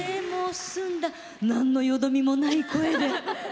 澄んだ、何のよどみもない声で。